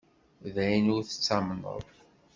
D ayen ur tettamneḍ!